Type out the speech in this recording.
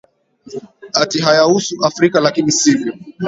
ati hayahusu afrika lakini sivyo